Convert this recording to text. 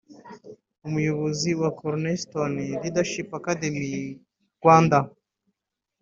Umuyobozi wa Cornerstone Leadership Academy Rwanda